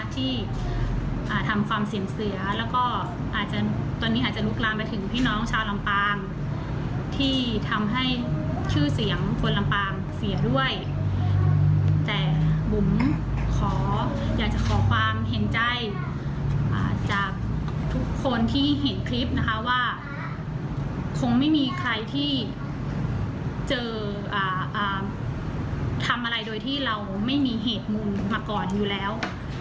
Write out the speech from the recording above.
จากทุกคนที่เห็นคลิปว่าคงไม่มีใครที่จะทำอะไรโดยที่เราไม่มีเหตุมุลมาก่อนอยู่แล้ว